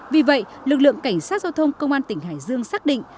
vì vậy lực lượng cảnh sát giao thông công an tỉnh hải dương xác định